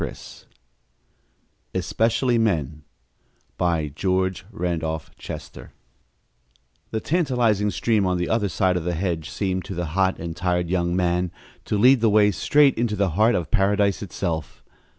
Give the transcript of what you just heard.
] ESPECIALLY MEN BY GEORGE RANDOLPH CHESTER The tantalizing stream on the other side of the hedge seemed, to the hot and tired young man, to lead the way straight into the heart of Paradise itself.